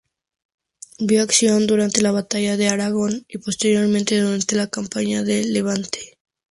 Vio acción durante la batalla de Aragón y, posteriormente, durante la campaña de Levante.